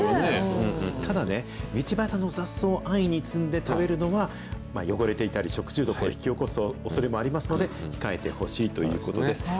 ただね、道端の雑草を安易に摘んで食べるのは、汚れていたり、食中毒を引き起こすおそれもありますので、控えてほしいということです。